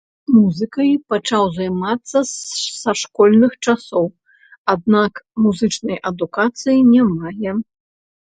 Музыкай пачаў займацца з школьных часоў, аднак музычнай адукацыі не мае.